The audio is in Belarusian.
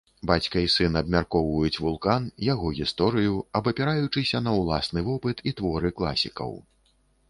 Бацька і сын абмяркоўваюць вулкан, яго гісторыю, абапіраючыся на ўласны вопыт і творы класікаў.